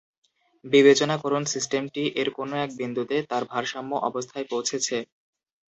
বিবেচনা করুন সিস্টেমটি এর কোনো এক বিন্দুতে তার ভারসাম্য অবস্থায় পৌঁছেছে।